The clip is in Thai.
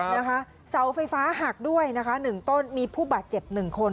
นะคะเสาไฟฟ้าหักด้วยนะคะหนึ่งต้นมีผู้บาดเจ็บหนึ่งคน